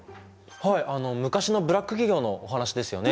はいあの昔のブラック企業のお話ですよね！